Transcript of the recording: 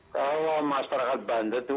kalau masyarakat banten itu